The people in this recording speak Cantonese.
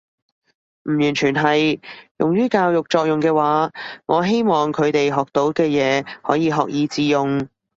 唔完全係。用於教育作用嘅話，我希望佢哋學到嘅嘢可以學以致用